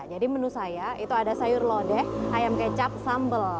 jadi menu saya itu ada sayur lodeh ayam kecap sambal